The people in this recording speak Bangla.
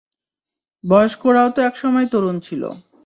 বয়স্করাও তো একসময় তরুণ ছিলো।